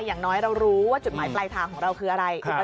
อย่างน้อยเรารู้ว่าจุดหมายปลายทางของเราคืออะไร